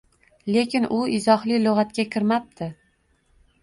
Lekin u izohli lugʻatga kirmabdi